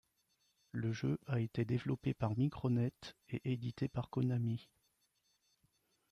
Le jeu a été développé par Micronet et édité par Konami.